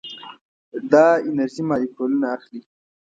دا انرژي مالیکولونه اخلي.